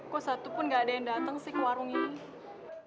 kok satu pun gak ada yang dateng sih ke warung ini